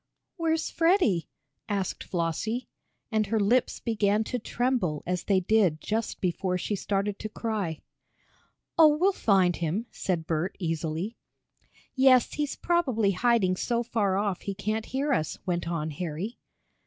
"Where's Freddie?" asked Flossie, and her lips began to tremble as they did just before she started to cry. "Oh, we'll find him," said Bert, easily. "Yes, he's probably hiding so far off he can't hear us," went on Harry.